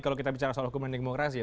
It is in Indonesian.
kalau kita bicara soal hukuman demokrasi ya